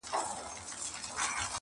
نه له پلاره پاتېده پاچهي زوى ته.!